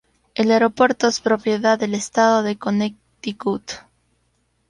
El aeropuerto es propiedad del estado de Connecticut.